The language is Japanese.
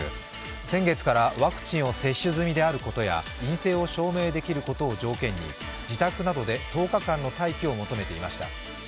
先月からワクチンを接種済みであることや陰性を証明できることを条件に自宅などで１０日間の待機を求めていました。